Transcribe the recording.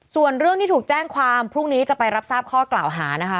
ส่วนเรื่องที่ถูกแจ้งความพรุ่งนี้จะไปรับทราบข้อกล่าวหานะคะ